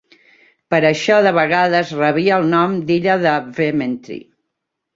Per això, de vegades rebia el nom d'"illa de Vementry".